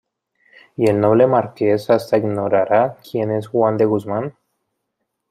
¿ y el noble Marqués hasta ignorará quién es Juan de Guzmán?